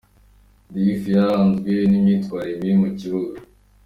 Diouf yaranzwe n’imyitwarire mibi mu kibuga.